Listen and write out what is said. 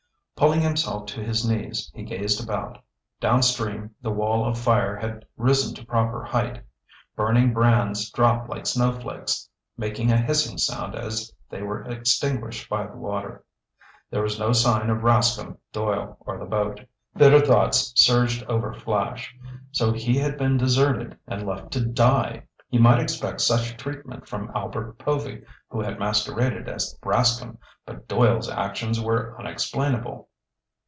Pulling himself to his knees, he gazed about. Downstream, the wall of fire had risen to greater height. Burning brands dropped like snowflakes, making a hissing sound as they were extinguished by the water. There was no sign of Rascomb, Doyle, or the boat. Bitter thoughts surged over Flash. So he had been deserted and left to die! He might expect such treatment from Albert Povy who had masqueraded as Rascomb, but Doyle's actions were unexplainable.